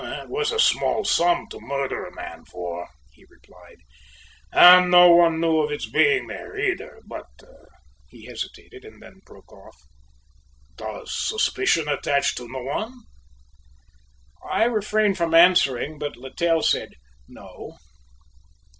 "That was a small sum to murder a man for," he replied; "and no one knew of its being there, either, but " he hesitated, and then broke off: "Does suspicion attach to any one?" I refrained from answering but Littell said, "No."